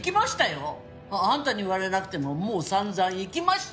あんたに言われなくてももう散々生きました！